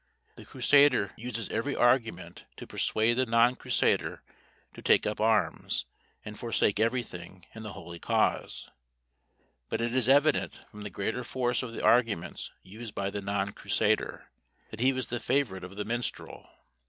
The Crusader uses every argument to persuade the non Crusader to take up arms, and forsake every thing, in the holy cause; but it is evident from the greater force of the arguments used by the non Crusader, that he was the favourite of the minstrel.